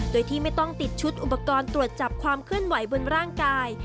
โดยที่ไม่ต้องติดชุดอุปกรณ์ตรวจจับความเคลื่อนไหวบนร่างกาย